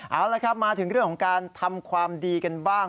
เอาละครับมาถึงเรื่องของการทำความดีกันบ้าง